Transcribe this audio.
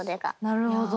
なるほど。